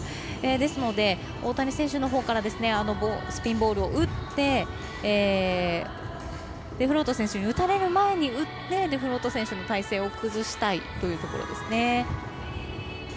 ですので、大谷選手のほうからスピンボールを打ってデフロート選手に打たれる前に打ってデフロート選手の体勢を崩したいというところです。